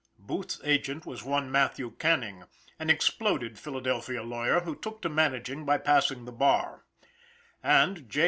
Booth's agent was one Matthew Canning, an exploded Philadelphia lawyer, who took to managing by passing the bar, and J.